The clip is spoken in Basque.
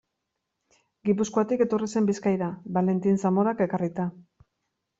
Gipuzkoatik etorri zen Bizkaira, Valentin Zamorak ekarrita.